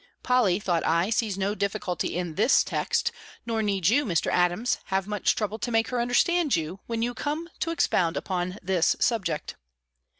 Polly," thought I, "sees no difficulty in this text; nor need you, Mr. Adams, have much trouble to make her understand you, when you come to expound upon this subject."